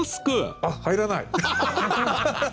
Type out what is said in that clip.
あっ入らない！